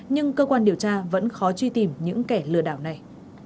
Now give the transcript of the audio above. nhưng cơ quan điều tra vẫn khó truy tìm những kẻ lừa đảo này